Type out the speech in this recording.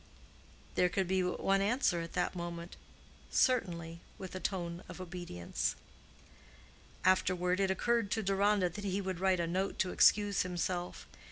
There could be but one answer at that moment: "Certainly," with a tone of obedience. Afterward it occurred to Deronda that he would write a note to excuse himself.